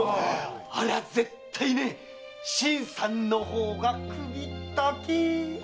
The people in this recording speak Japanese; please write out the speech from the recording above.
ありゃあ絶対ね新さんの方が首ったけ！